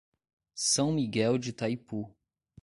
São Miguel de Taipu